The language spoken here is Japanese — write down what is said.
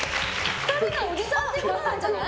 ２人がおじさんってことなんじゃない？